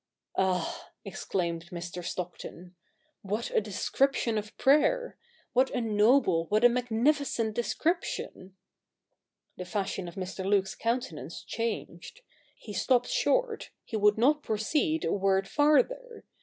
'Ah,' exclaimed Mr. Stockton, 'what a description of prayer ! What a noble, what a magnificent descrip tion !' The fashion of Mr. Luke's countenance changed. He stopped short, he would not proceed a word farther.